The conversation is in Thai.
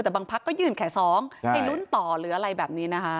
แต่บางพักก็ยื่นแค่๒ให้ลุ้นต่อหรืออะไรแบบนี้นะคะ